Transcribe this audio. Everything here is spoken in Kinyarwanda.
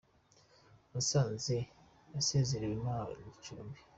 Musanze yasezerewe na gicumbi